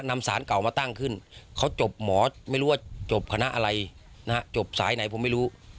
นำสารเก่ามาตั้งขึ้นเขาจบหมอไม่รู้ว่าจบคณะอะไรนะฮะจบสายไหนผมไม่รู้